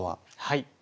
はい。